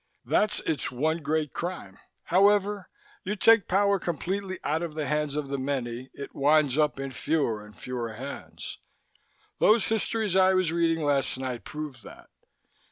"That's its one great crime. Whenever you take power completely out of the hands of the many, it winds up in fewer and fewer hands. Those histories I was reading last night prove that.